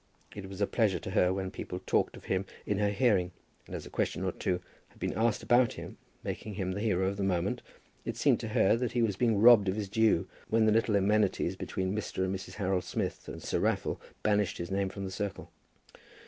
It was a pleasure to her when people talked of him in her hearing, and as a question or two had been asked about him, making him the hero of the moment, it seemed to her that he was being robbed of his due when the little amenities between Mr. and Mrs. Harold Smith and Sir Raffle banished his name from the circle.